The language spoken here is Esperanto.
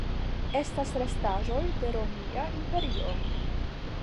Estas restaĵoj de Romia Imperio.